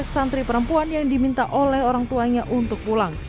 santri perempuan yang diminta oleh orang tuanya untuk pulang